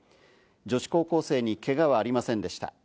女子高校生にけがはありませんでした。